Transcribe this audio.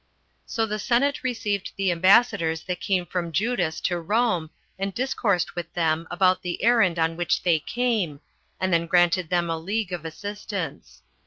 So the senate received the ambassadors that came from Judas to Rome, and discoursed with them about the errand on which they came, and then granted them a league of assistance.